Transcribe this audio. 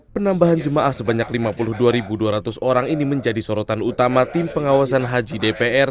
penambahan jemaah sebanyak lima puluh dua dua ratus orang ini menjadi sorotan utama tim pengawasan haji dpr